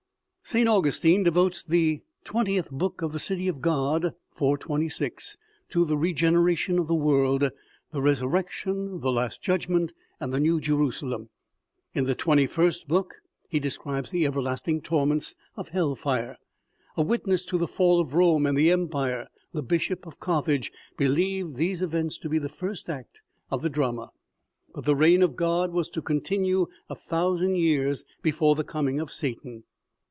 St. Augustine devotes the xxth book of the City of God (426) to the regeneration of the world, the resurrection, the last judgment, and the New Jerusalem ; in the xxist book he describes the everlasting torments of hell fire. A witness to the fall of Rome and the empire, the bishop of Carthage believed these events to be the first act of the drama. But the reign of God was to continue a thousand years before the coming of Satan.